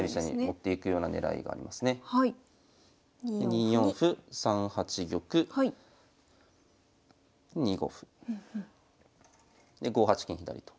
２四歩３八玉２五歩。で５八金左と。